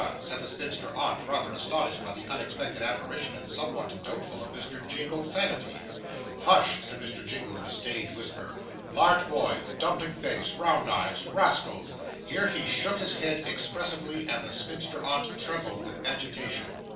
said the spinster aunt, rather astonished by the unexpected apparition and somewhat doubtful of Mr. Jingle's sanity. 'Hush!' said Mr. Jingle, in a stage whisper 'Large boy dumpling face round eyes rascal!' Here he shook his head expressively, and the spinster aunt trembled with agitation.